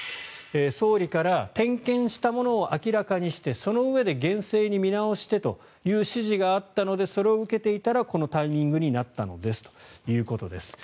総理から点検したものを明らかにしてそのうえで厳正に見直してという指示があったのでそれを受けていたらこのタイミングになったのですということです。